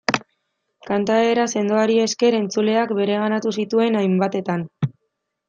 Kantaera sendoari esker, entzuleak bereganatu zituen hainbatetan.